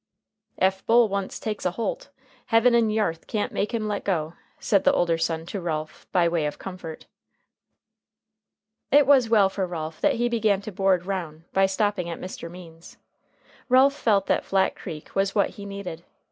"Ef Bull once takes a holt, heaven and yarth can't make him let go," said the older son to Ralph, by way of comfort. It was well for Ralph that he began to "board roun'" by stopping at Mr. Means's. Ralph felt that Flat Creek was what he needed.